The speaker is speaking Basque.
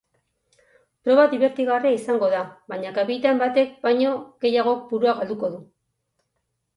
Proba dibertigarria izango da, baina kapitain batek baino gehiagok burua galduko du.